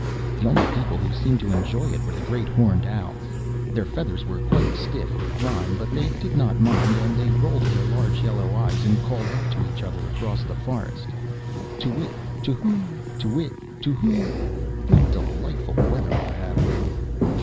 The only people who seemed to enjoy it were the great horned Owls. Their feathers were quite stiff with rime, but they did not mind, and they rolled their large yellow eyes, and called out to each other across the forest, 'Tu whit! Tu whoo! Tu whit! Tu whoo! what delightful weather we are having!